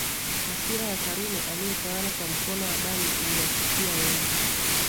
Hasira ya Karume aliyetawala kwa mkono wa damu iliwashukia wengi